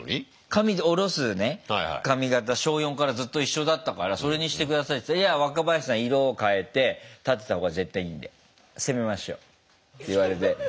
髪下ろすね髪形小４からずっと一緒だったからそれにして下さいって言ったら「いや若林さん色を変えて立てた方が絶対いいんで攻めましょう」って言われて。